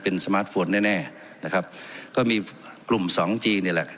เป็นสมาร์ทโฟนแน่แน่นะครับก็มีกลุ่มสองจีนนี่แหละ